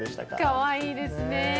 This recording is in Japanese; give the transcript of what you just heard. かわいいですね。